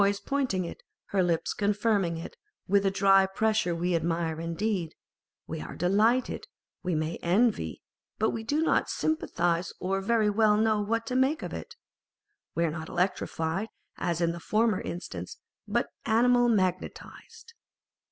nose pointing it, and her lips confirming it with a dry pressure â€" we admire indeed, we are delighted, we may envy, but we do not sympathise or very well know what to make of it. We are not electrified, as in the former instance, but animal magnetised.